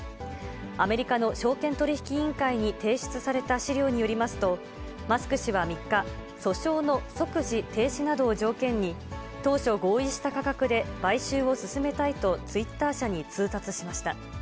アメリカの証券取引委員会に提出された資料によりますと、マスク氏は３日、訴訟の即時停止などを条件に、当初合意した価格で買収を進めたいと、ツイッター社に通達しました。